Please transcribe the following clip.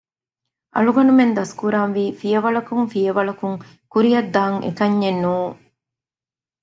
އަޅުގަނޑުމެން ދަސްކުރާންވީ ފިޔަވަޅަކުން ފިޔަވަޅަކުން ކުރިޔަށްދާން އެކަންޏެއް ނޫން